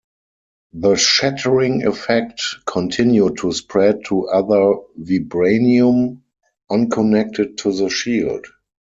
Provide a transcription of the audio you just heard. The shattering effect continued to spread to other vibranium, unconnected to the shield.